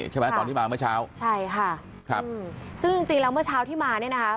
ใช่ไหมตอนที่มาเมื่อเช้าใช่ค่ะซึ่งจริงแล้วเมื่อเช้าที่มานี่นะฮะ